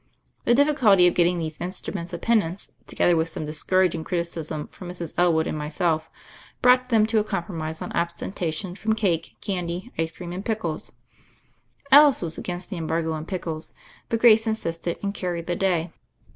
The difficulty of get ting these instruments of penance, together with some discouraging criticisms from Mrs. Elwood and myself, brought them to compromise on ab stention from cake, candy, ice cream, and pickles! Alice was against the embargo on pickles; but Grace insisted and carried the day.